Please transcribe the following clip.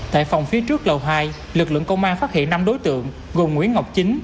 tại phòng phía trước lầu hai lực lượng công an phát hiện năm đối tượng gồm nguyễn ngọc chính